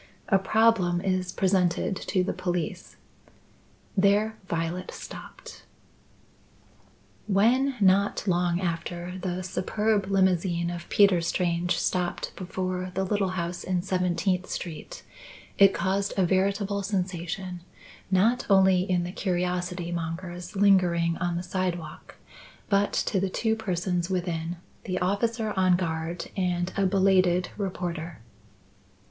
A problem is presented to the police " There Violet stopped. When, not long after, the superb limousine of Peter Strange stopped before the little house in Seventeenth Street, it caused a veritable sensation, not only in the curiosity mongers lingering on the sidewalk, but to the two persons within the officer on guard and a belated reporter.